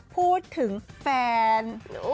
พูดถึงแฟน